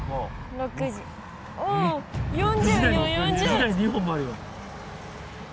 ６時台２本もあるよ。